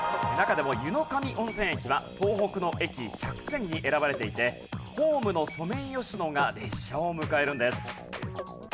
中でも湯野上温泉駅は東北の駅１００選に選ばれていてホームのソメイヨシノが列車を迎えるんです。